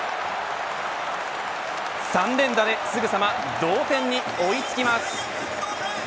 ３連打ですぐさま同点に追いつきます。